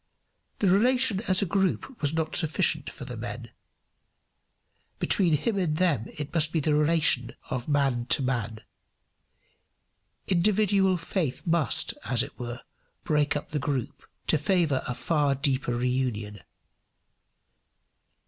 The relation as a group was not sufficient for the men. Between him and them it must be the relation of man to man. Individual faith must, as it were, break up the group to favour a far deeper reunion.